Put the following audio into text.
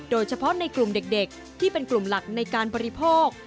โดยเฉพาะในกลุ่มเด็กที่เป็นกลุ่มหลักในการบริโภค